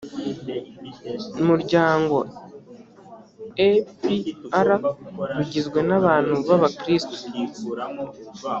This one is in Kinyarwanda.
muryango epr rugizwe n abantu babakrito